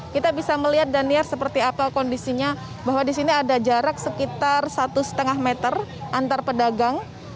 kita bisa melihat daniar seperti apa kondisinya bahwa di sini ada jarak sekitar satu lima meter antar pedagang